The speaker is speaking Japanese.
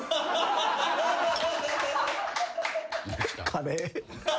カレー。